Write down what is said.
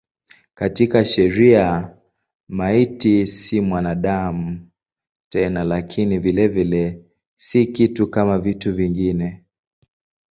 Katika sheria maiti si mwanadamu tena lakini vilevile si kitu kama vitu vingine.